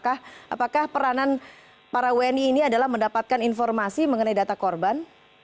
apakah peranan para wni ini adalah mendapatkan informasi mengenai data korban